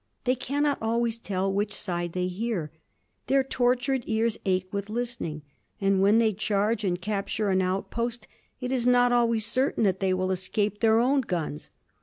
They cannot always tell which side they hear. Their tortured ears ache with listening. And when they charge and capture an outpost it is not always certain that they will escape their own guns.